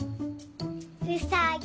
うさぎ。